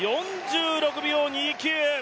４６秒２９。